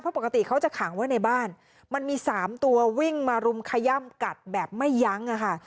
เพราะปกติเขาจะขังไว้ในบ้านมันมี๓ตัววิ่งมารุมขย่ำกัดแบบไม่ยั้งอะค่ะ